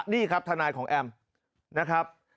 นี่ครับทนายของแอมนะครับ